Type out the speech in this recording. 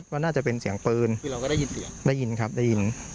ที่เราก็ได้ยินเสียงได้ยินครับได้ยิน